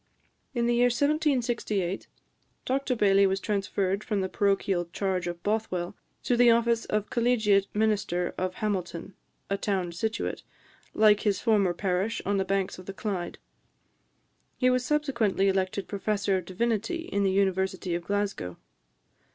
In the year 1768, Dr Baillie was transferred from the parochial charge of Bothwell to the office of collegiate minister of Hamilton, a town situate, like his former parish, on the banks of the Clyde. He was subsequently elected Professor of Divinity in the University of Glasgow.